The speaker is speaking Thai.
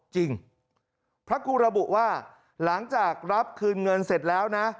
จริงพระครูระบุว่าหลังจากรับคืนเงินเสร็จแล้วนะ